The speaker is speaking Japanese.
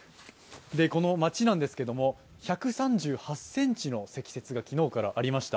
この町なんですけれども、１８３ｃｍの積雪が昨日からありました。